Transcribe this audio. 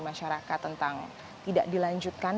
masyarakat tentang tidak dilanjutkan